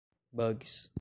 bugs